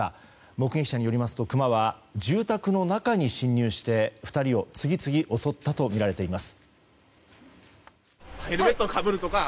目撃者によりますとクマは住宅の中に侵入して２人を次々襲ったとみられています。